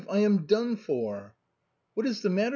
I am done for." " What is the matter